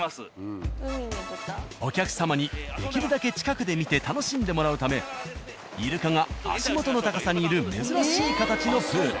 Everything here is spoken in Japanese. お客様にできるだけ近くで見て楽しんでもらうためイルカが足元の高さにいる珍しい形のプール。